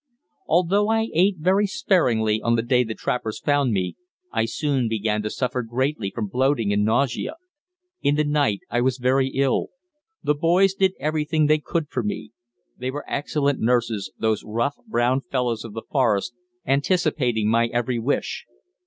Although I ate very sparingly on the day the trappers found me, I soon began to suffer greatly from bloating and nausea. In the night I was very ill. The boys did everything they could for me. They were excellent nurses, those rough, brown fellows of the forest, anticipating my every wish.